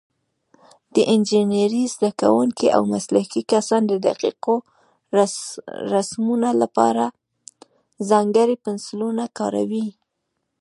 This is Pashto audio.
د انجینرۍ زده کوونکي او مسلکي کسان د دقیقو رسمونو لپاره ځانګړي پنسلونه کاروي.